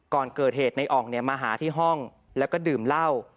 ก่อนเกิดเหตุในอ่องมาหาที่ห้องแล้วก็ดื่มเหล้า